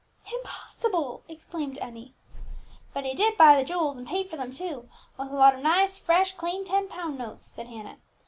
"Impossible!" exclaimed Emmie. "But he did buy the jewels, and paid for them too with a lot of nice, fresh, clean ten pound notes," said Hannah.